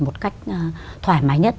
một cách thoải mái nhất